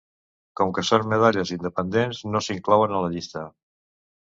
Com que són medalles independents, no s'inclouen a la llista.